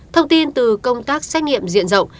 thông tin từ công tác xét nghiệm diện rộng